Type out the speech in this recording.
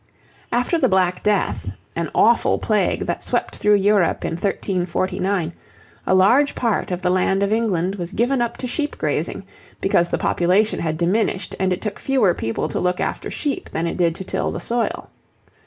After the Black Death, an awful plague that swept through Europe in 1349, a large part of the land of England was given up to sheep grazing, because the population had diminished, and it took fewer people to look after sheep than it did to till the soil.